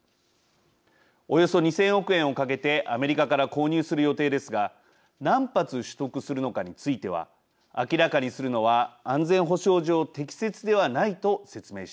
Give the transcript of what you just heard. およそ２，０００億円をかけてアメリカから購入する予定ですが何発取得するのかについては明らかにするのは安全保障上適切ではないと説明していました。